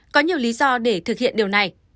có nhiều lý do để thực hiện điều này